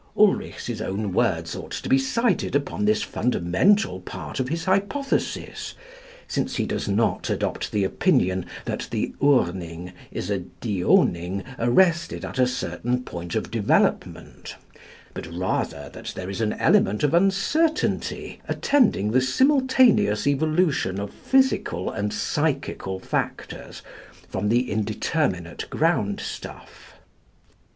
Ulrichs' own words ought to be cited upon this fundamental part of his hypothesis, since he does not adopt the opinion that the Urning is a Dioning arrested at a certain point of development; but rather that there is an element of uncertainty attending the simultaneous evolution of physical and psychical factors from the indeterminate ground stuff.